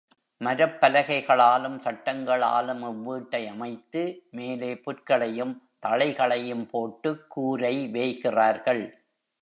மரப் பலகைகளாலும், சட்டங்களாலும் இவ் வீட்டை அமைத்து, மேலே புற்களையும், தழைகளையும் போட்டுக் கூரை வேய்கிறார்கள்.